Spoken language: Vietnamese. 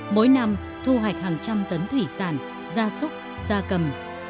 mỗi năm thu hoạch hàng trăm tấn thủy sản gia súc gia cầm